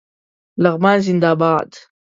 لغمان زنده باد